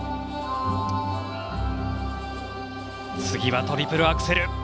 次はトリプルアクセル。